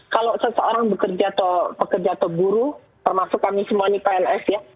kalau seseorang bekerja atau pekerja atau buruh termasuk kami semua ini pns ya